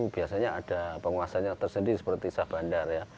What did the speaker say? biasanya ada penguasanya tersendiri seperti sahabandar